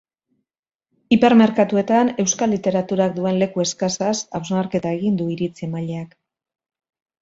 Hipermerkatuetan euskal literaturak duen leku eskasaz hausnarketa egin du iritzi-emaileak.